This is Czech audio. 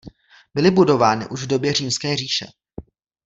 Byly budovány už v době Římské říše.